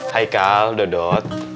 hai kal dodot